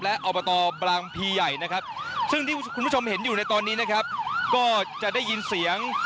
และอบตบางพีใหญ่นะครับซึ่งที่คุณผู้ชมเห็นอยู่ในตอนนี้นะครับก็จะได้ยินเสียง